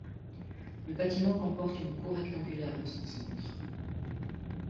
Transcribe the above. Le bâtiment comporte une cour rectangulaire en son centre.